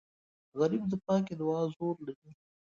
غریب د پاکې دعا زور لري